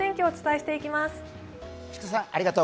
お伝えしていきます。